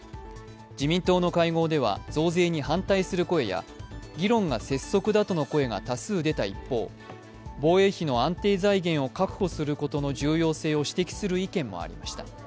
自民党の会合では増税に反対する声や議論が拙速だとの声が多数出た一方、防衛費の安定財源を確保することの重要性を指摘する意見もありました。